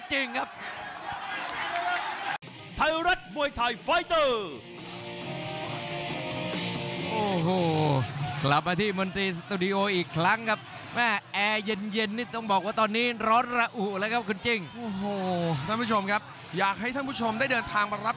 หมดยกที่๒ครับเดือดจริงครับ